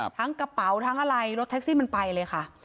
กระเป๋าทั้งอะไรรถแท็กซี่มันไปเลยค่ะ